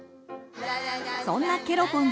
そんなケロポンズ